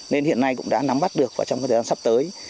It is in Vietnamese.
nên hiện nay cũng đã nắm bắt được và trong thời gian sắp tới